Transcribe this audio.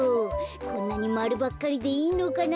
こんなにまるばっかりでいいのかな。